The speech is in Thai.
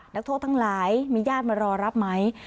นักโทษทั้งหลายมีญาติมารอรับไหม